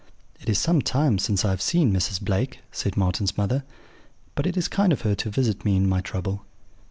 "'It is some time since I have seen Mrs. Blake,' said Marten's mother; 'but it is kind of her to visit me in my trouble.'